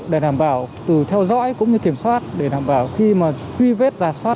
để đảm bảo từ theo dõi cũng như kiểm soát để đảm bảo khi mà truy vết giả soát